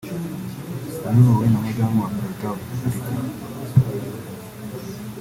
uyobowe na Madamu wa Perezida wa Repubulika